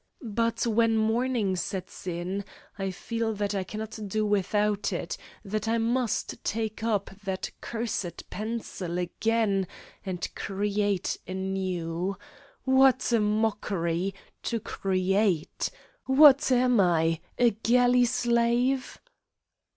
But when morning sets in I feel that I cannot do without it, that I must take up that cursed pencil again and create anew. What a mockery! To create! What am I, a galley slave?"